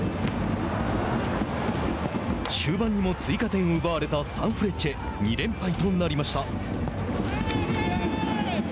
終盤にも追加点を奪われたサンフレッチェ２連敗となりました。